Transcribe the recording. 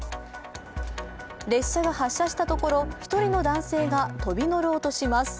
列車が発車したところ１人の男性が飛び乗ろうとします。